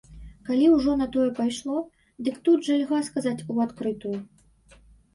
Калі ўжо на тое пайшло, дык тут жа льга сказаць у адкрытую.